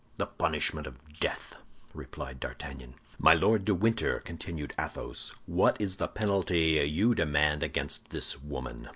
"The punishment of death," replied D'Artagnan. "My Lord de Winter," continued Athos, "what is the penalty you demand against this woman?"